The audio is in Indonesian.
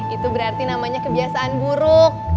itu berarti namanya kebiasaan buruk